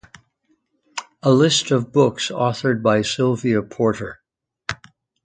A list of books authored by Sylvia Porter.